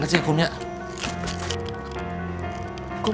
bukain pintunya kum